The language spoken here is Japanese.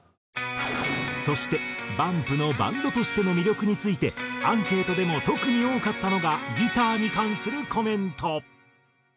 そしてＢＵＭＰのバンドとしての魅力についてアンケートでも特に多かったのがギターに関するコメント。